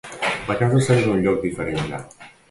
La casa sembla un lloc diferent ja.